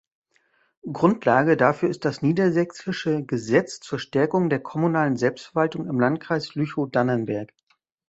Grundlage dafür ist das niedersächsische "Gesetz zur Stärkung der kommunalen Selbstverwaltung im Landkreis Lüchow-Dannenberg".